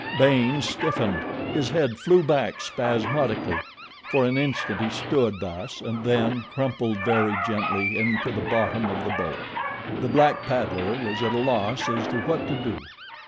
Baynes stiffened. His head flew back spasmodically. For an instant he stood thus, and then crumpled very gently into the bottom of the boat. The black paddler was at a loss as to what to do.